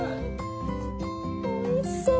おいしそう！